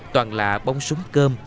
toàn là bông súng cơm